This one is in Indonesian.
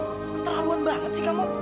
keterlaluan banget sih kamu